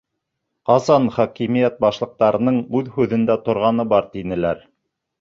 Ҡасан хакимиәт башлыҡтарының үҙ һүҙендә торғаны бар, тинеләр.